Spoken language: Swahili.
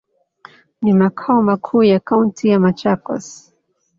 Ni makao makuu ya kaunti ya Machakos.